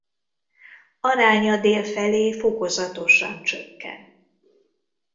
Aránya dél felé fokozatosan csökken.